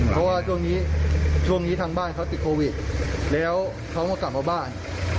เพราะว่าช่วงนี้ช่วงนี้ทางบ้านเขาติดโควิดแล้วเขาก็กลับมาบ้าน